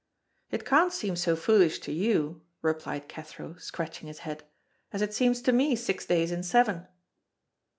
"It can't seem so foolish to you," replied Cathro, scratching his head, "as it seems to me six days in seven."